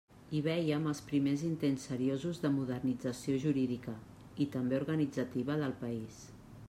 Hi veiem els primers intents seriosos de modernització jurídica, i també organitzativa, del país.